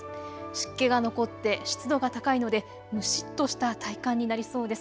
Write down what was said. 湿気が残って湿度が高いので蒸しっとした体感になりそうです。